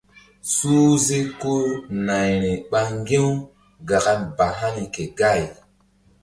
Suhze ko nayri ɓa ŋgi̧-u gakan ba hani ke gay.